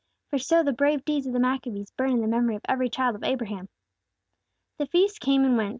"For so the brave deeds of the Maccabees burn in the memory of every child of Abraham!" The feast came and went.